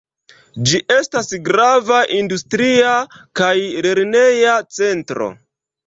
Ĝi estas grava industria kaj lerneja centro.